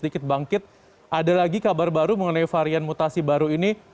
sedikit bangkit ada lagi kabar baru mengenai varian mutasi baru ini